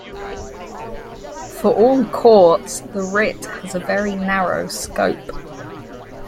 For all courts, the writ has a very narrow scope.